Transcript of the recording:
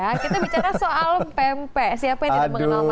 kita bicara soal pempe siapa yang tidak mengenal makanan ini